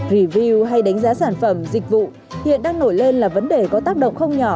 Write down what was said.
review hay đánh giá sản phẩm dịch vụ hiện đang nổi lên là vấn đề có tác động không nhỏ